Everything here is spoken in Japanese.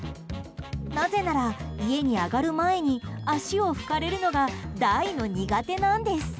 なぜなら、家に上がる前に足を拭かれるのが大の苦手なんです。